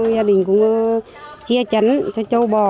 gia đình cũng che chắn cho trâu bò